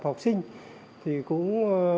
học sinh thì cũng